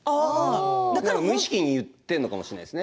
だから無意識に出るのかもしれないですね。